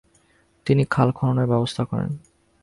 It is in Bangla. তিনি খাল খননের ব্যবস্থা করেন।